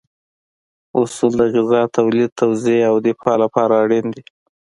اصول د غذا تولید، توزیع او دفاع لپاره اړین دي.